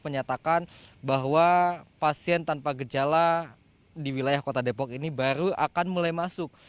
menyatakan bahwa pasien tanpa gejala di wilayah kota depok ini baru akan mulai masuk